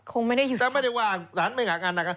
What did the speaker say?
คงไม่ได้อยู่แต่ไม่ได้ว่าสารไม่หางานนะคะ